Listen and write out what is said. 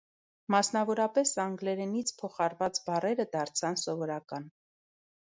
Մասնավորապես, անգլերենից փոխառված բառերը դարձան սովորական։